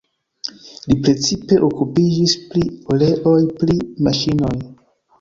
Li precipe okupiĝis pri oleoj pri maŝinoj.